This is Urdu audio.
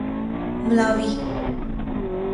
ملاوی